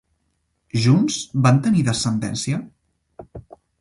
Junts van tenir descendència?